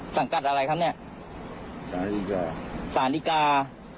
สังกัดอะไรครับเนี่ยสานิกจา